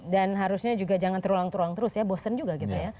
dan harusnya juga jangan terulang terulang terus ya bosen juga gitu ya